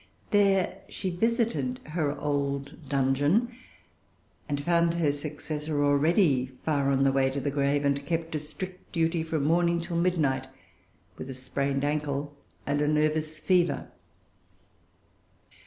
There she visited her old dungeon, and found her successor already far on the way to the grave, and kept to strict duty, from morning till midnight, with a sprained ankle and a nervous fever.